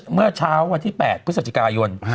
เมื่อเช้าวันที่๘พฤศจิกายน